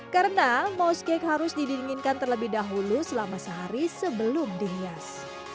karena mouse cake harus didinginkan terlebih dahulu selama sehari sebelum dihias